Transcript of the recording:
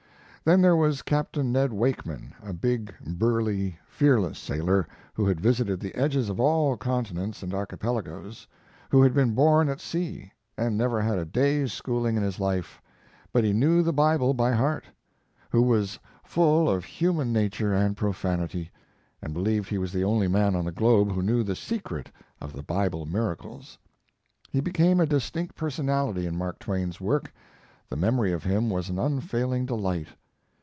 Then there was Captain Ned Wakeman, a big, burly, fearless sailor, who had visited the edges of all continents and archipelagos; who had been born at sea, and never had a day's schooling in his life, but knew the Bible by heart; who was full of human nature and profanity, and believed he was the only man on the globe who knew the secret of the Bible miracles. He became a distinct personality in Mark Twain's work the memory of him was an unfailing delight.